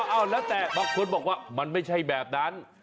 เอาแล้วแต่บางคนบอกว่ามันไม่ใช่แบบนั้น